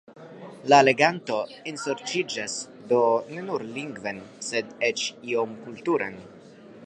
La leganto ensorĉiĝas do ne nur lingven, sed eĉ iom kulturen.